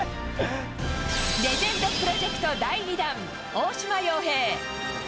レジェンドプロジェクト第２弾、大島洋平。